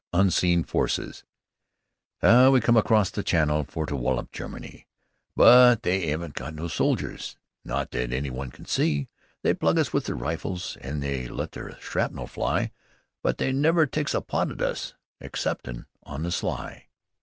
UNSEEN FORCES "We come acrost the Channel For to wallop Germany; But they 'aven't got no soldiers Not that any one can see. They plug us with their rifles An' they let their shrapnel fly, But they never takes a pot at us Exceptin' on the sly.